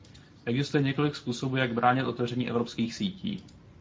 Existuje několik způsobů, jak bránit otevření evropských sítí.